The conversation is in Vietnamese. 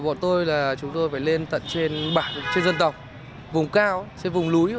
bọn tôi là chúng tôi phải lên tận trên bản trên dân tộc vùng cao trên vùng núi